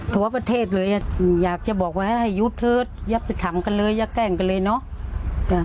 ทั่วประเทศเลยอยากจะบอกว่าให้หยุดเถอะอย่าไปทำกันเลยอย่าแกล้งกันเลยเนาะ